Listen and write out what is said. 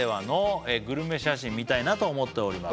見たいなと思っております